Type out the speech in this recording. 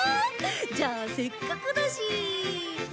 じゃあせっかくだし。